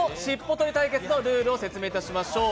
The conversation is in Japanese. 取り対決のルールを説明いたしましょう。